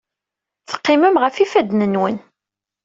Teqqimem ɣef yifadden-nwen.